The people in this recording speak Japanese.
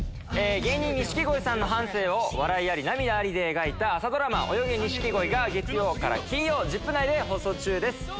芸人錦鯉さんの半生を笑いあり涙ありで描いた朝ドラマ『泳げ！ニシキゴイ』が月曜から金曜『ＺＩＰ！』内で放送中です。